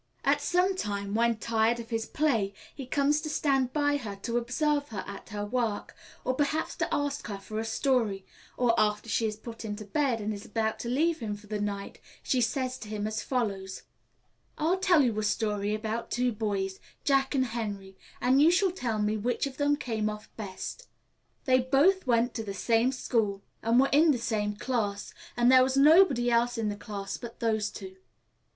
At some time, when tired of his play, he comes to stand by her to observe her at her work, or perhaps to ask her for a story; or, after she has put him to bed and is about to leave him for the night, she says to him as follows: "I'll tell you a story about two boys, Jack and Henry, and you shall tell me which of them came off best. They both went to the same school and were in the same class, and there was nobody else in the class but those two.